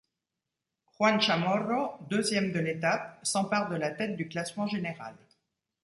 Juan Chamorro, deuxième de l'étape, s'empare de la tête du classement général.